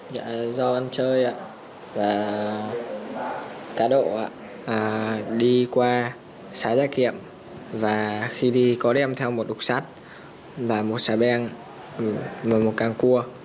do ăn chơi và cá độ đi qua xã gia kiệm và khi đi có đem theo một đục sát và một xã beng và một căn cua